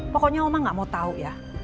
pokoknya mama gak mau tau ya